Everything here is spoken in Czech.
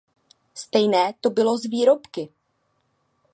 Stejné to bylo s výrobky.